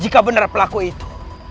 jika benar pelaku itu